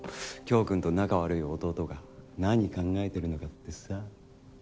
京くんと仲悪い弟が何考えてるのかってさ。